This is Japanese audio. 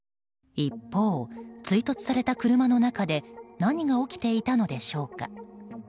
一方、追突された車の中で何が起きていたのでしょうか。